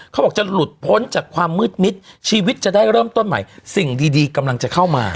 เขาบอกจะหลุดพ้นจากความมืดมิดชีวิตจะได้เริ่มต้นใหม่สิ่งดีกำลังจะเข้ามา